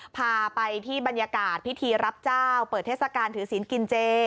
พาไปที่บรรยากาศพิธีรับเจ้าเปิดเทศกาลถือศีลกินเจ